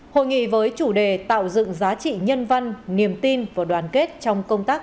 hội nghị với chủ đề tạo dựng giá trị nhân văn niềm tin và đoàn kết trong công tác